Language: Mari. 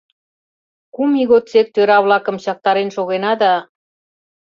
Кум ий годсек тӧра-влакым чактарен шогена да...